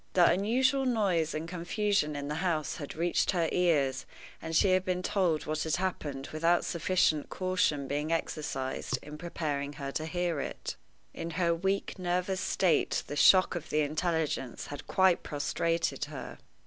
The unusual noise and confusion in the house had reached her ears, and she had been told what had happened without sufficient caution being exercised in preparing her to hear it. In her weak, nervous state, the shock of the intelligence had quite prostrated her.